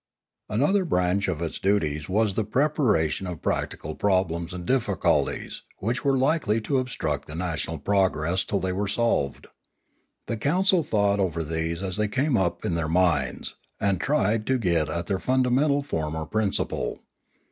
Another branch of its duties was the preparation of practical problems and difficulties which were likely to obstruct the national progress till they were solved. The council thought over these as they came up in their minds, and tried to get at their fundamental form or principle.